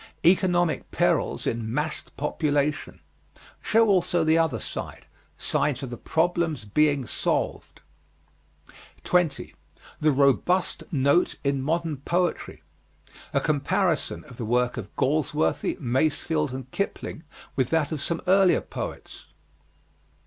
Economic perils in massed population. Show also the other side. Signs of the problem's being solved. 20. THE ROBUST NOTE IN MODERN POETRY. A comparison of the work of Galsworthy, Masefield and Kipling with that of some earlier poets.